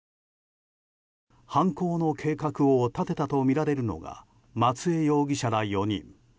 犯行の計画を立てたとみられるのが松江容疑者ら４人。